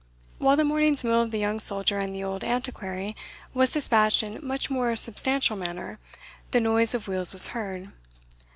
While the morning's meal of the young soldier and the old Antiquary was despatched in much more substantial manner, the noise of wheels was heard.